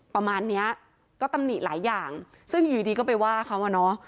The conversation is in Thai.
ประมาณเนี้ยก็ตำหนิหลายอย่างซึ่งอยู่ดีก็ไปว่าเขาอ่ะเนอะ